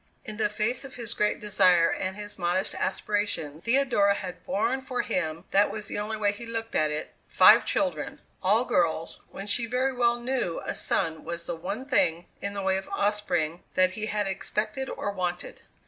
In the face of his great desire and his modest aspirations Theodora had borne for him (that was the only way he looked at it) five children all girls, when she very well knew a son was the one thing, in the way of offspring, that he had expected or wanted.